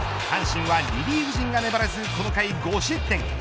阪神はリリーフ陣が粘れずこの回５失点。